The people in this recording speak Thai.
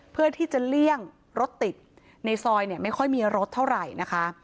เพื่อที่จะเลี่ยงรถติดในซอยเนี่ยไม่ค่อยมีรถเท่าไหร่นะคะ